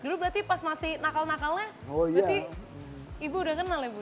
dulu berarti pas masih nakal nakalnya berarti ibu udah kenal ya bu